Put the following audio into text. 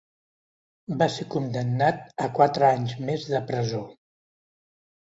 Va ser condemnat a quatre anys més de presó.